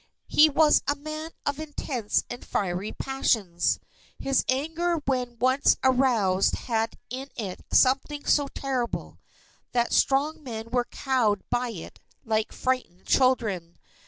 He was a man of intense and fiery passions. His anger when once aroused had in it something so terrible, that strong men were cowed by it like frightened children.